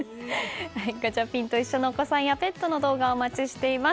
ガチャピンと一緒のお子さんやペットの動画お待ちしています。